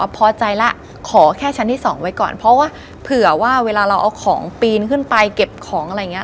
เพราะว่าเผื่อเวลาเราเอาของบริเวณก็ไปเก็บของอะไรเนี่ย